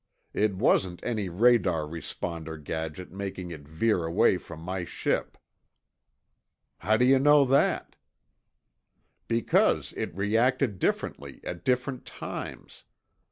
It wasn't any radar responder gadget making it veer away from my ship." "How do you know that?" "Because it reacted differently at different times.